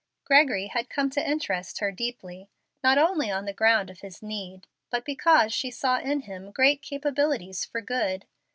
Gregory had come to interest her deeply, not only on the ground of his need, but because she saw in him great capabilities for good.